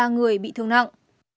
ba người bị thương nặng